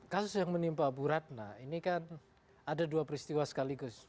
kasus yang menimpa bu ratna ini kan ada dua peristiwa sekaligus